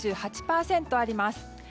９８％あります。